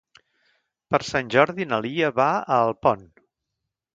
Per Sant Jordi na Lia va a Alpont.